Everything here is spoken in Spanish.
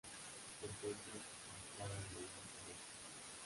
Se encuentra ubicada en el Loch Broom.